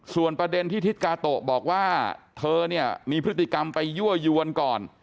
ส่วนประเด็นที่ทิศกาโตะบอกว่าเธอเนี่ยมีพฤติกรรมไปยั่วยวนก่อน